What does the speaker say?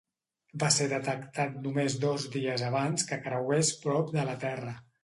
Va ser detectat només dos dies abans que creués prop de la Terra.